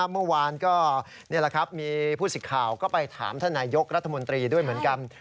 เมื่อวานก็นี่แหละครับมีผู้สิทธิ์ข่าวก็ไปถามท่านนายกรัฐมนตรีด้วยเหมือนกัน